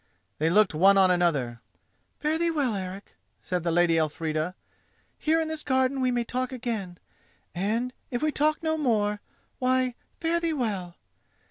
They looked one on another. "Fare thee well, Eric!" said the Lady Elfrida. "Here in this garden we may talk again; and, if we talk no more—why, fare thee well!